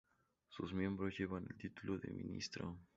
Sus miembros llevan el título de Ministro.